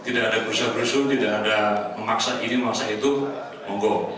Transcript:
tidak ada berusaha berusaha tidak ada memaksa ini memaksa itu monggo